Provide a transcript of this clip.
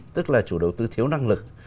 tức là chủ đầu tư thiếu năng lực